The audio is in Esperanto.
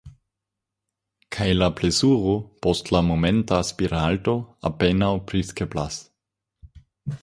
Kaj la plezuro, post la momenta spirhalto, apenaŭ priskribeblas!